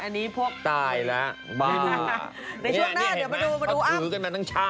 อันนี้พวกตายแล้วเบาะ